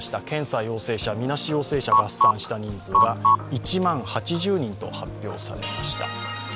検査陽性者、みなし陽性者合算した人数が、１万８０人と発表されました。